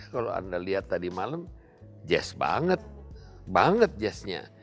kalau anda lihat tadi malam jazz banget banget jazznya